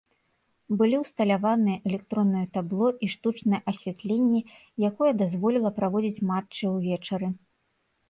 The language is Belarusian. Былі ўсталяваныя электроннае табло і штучнае асвятленне, якое дазволіла праводзіць матчы ўвечары.